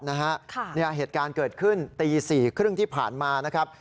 เหตุการณ์เกิดขึ้นตี๔๓๐ที่ผ่านมานะครับ